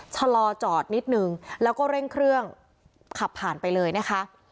ชะลอจอดนิดนึงแล้วก็เร่งเครื่องขับผ่านไปเลยนะคะ